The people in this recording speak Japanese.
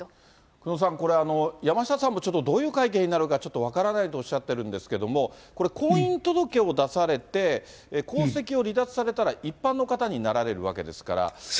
久能さん、これ、山下さんもどういう会見になるか、ちょっと分からないとおっしゃってるんですけれども、これ、婚姻届を出されて、皇籍を離脱されたら、そうです、その瞬間に。